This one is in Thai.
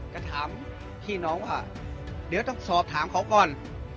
ก็ถามพี่น้องว่าเดี๋ยวต้องสอบถามเขาก่อน